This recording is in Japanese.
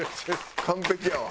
完璧やわ。